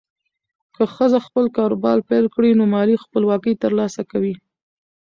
که ښځه خپل کاروبار پیل کړي، نو مالي خپلواکي ترلاسه کوي.